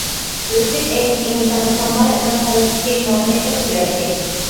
ئۆزلۈك ئەينىكى ئىنسانى كامالەتنىڭ قەلبتىكى ماھىيەتلىك قۇياشى.